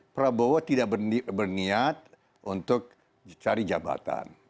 prabowo tidak berniat untuk cari jabatan